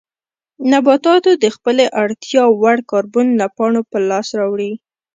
نباتاتو د خپلې اړتیا وړ کاربن له پاڼو په لاس راوړي.